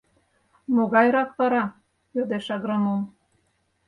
— Могайрак вара? — йодеш агроном.